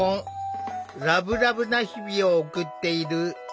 ラブラブな日々を送っている。